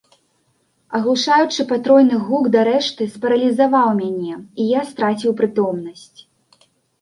Аглушаючы патройны гук дарэшты спаралізаваў мяне, і я страціў прытомнасць.